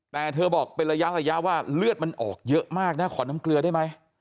แต่เธอบอกเป็นระยะว่าเลือดมันออกเยอะมากนะขอน้ำเกลือได้ไหม